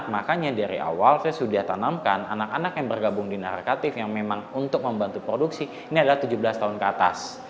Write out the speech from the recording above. makanya dari awal saya sudah tanamkan anak anak yang bergabung di narkatif yang memang untuk membantu produksi ini adalah tujuh belas tahun ke atas